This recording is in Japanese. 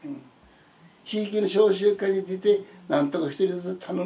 地域の小集会に出てなんとか一人ずつ頼む。